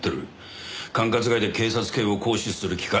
管轄外で警察権を行使する気か？